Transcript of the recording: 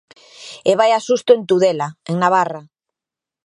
E vaia susto en Tudela, en Navarra.